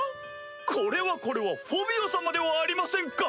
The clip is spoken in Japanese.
これはこれはフォビオ様ではありませんか！